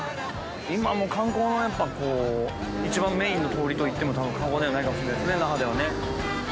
今観光の一番メインの通りといっても過言ではないかもしれないですね那覇ではね。